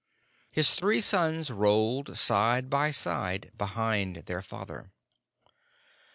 His three sons rolled side by side, behind their father.